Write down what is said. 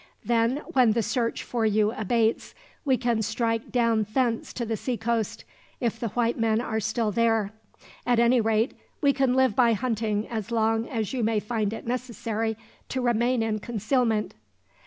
Then, when the search for you abates, we can strike down thence to the seacoast, if the white men are still there. At any rate, we can live by hunting as long as you may find it necessary to remain in concealment."